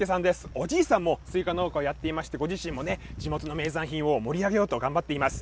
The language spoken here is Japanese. おじいさんもスイカ農家をやっていまして、ご自身もね、地元の名産品を盛り上げようと頑張っています。